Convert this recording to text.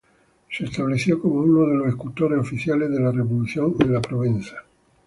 Se estableció como uno de los escultores oficiales de la Revolución en la Provenza.